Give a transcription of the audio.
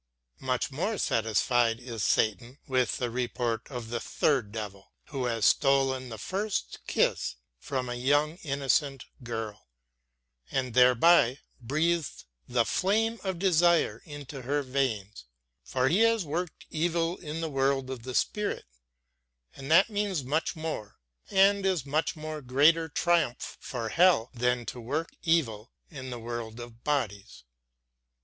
Much more satisfied is Satan with the report of a third devil who has stolen the first kiss from a young innocent girl and thereby breathed the flame of desire into her veins; for he has worked evil in the world of the spirit and that means much more and is a much greater triumph for hell than to work evil in the world of bodies.